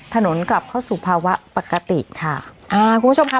ถนนกลับเข้าสู่ภาวะปกติค่ะอ่าคุณผู้ชมค่ะ